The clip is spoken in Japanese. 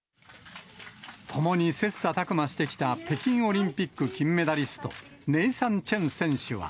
共に切さたく磨してきた北京オリンピック金メダリスト、ネイサン・チェン選手は。